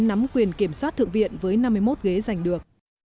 nắm quyền kiểm soát thượng viện với năm mươi một ghế giành được